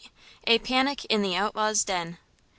A PANIC IN THE OUTLAW'S DEN.